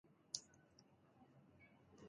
کله چې ترمامتر له تود جسم سره ونښلولو.